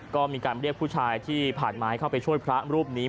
ก็มีการเรียกผู้ชายที่ผ่านมาเข้าไปช่วยพระรูปนี้